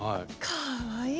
かわいい。